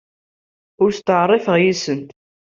Ur steɛṛifeɣ yes-sent.